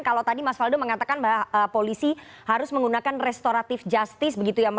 kalau tadi mas waldo mengatakan bahwa polisi harus menggunakan restoratif justice begitu ya